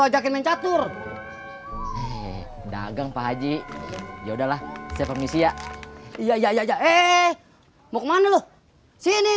ajakin catur dagang pak haji ya udahlah saya permisi ya iya iya iya eh mau kemana lo sini